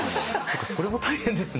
それも大変ですね。